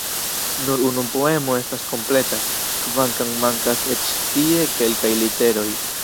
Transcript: Nur unu poemo estas kompleta, kvankam mankas eĉ tie kelkaj literoj.